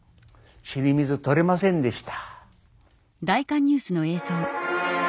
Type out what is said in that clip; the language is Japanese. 死に水取れませんでした。